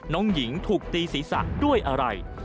น้องหญิงถูกตีศีรษะด้วยอะไร